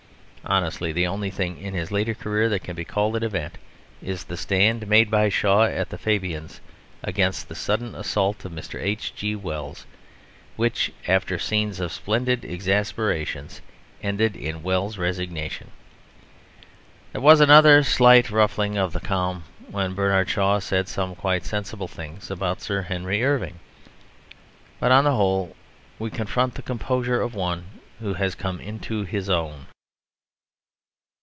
Honestly, the only thing in his later career that can be called an event is the stand made by Shaw at the Fabians against the sudden assault of Mr. H. G. Wells, which, after scenes of splendid exasperations, ended in Wells' resignation. There was another slight ruffling of the calm when Bernard Shaw said some quite sensible things about Sir Henry Irving. But on the whole we confront the composure of one who has come into his own.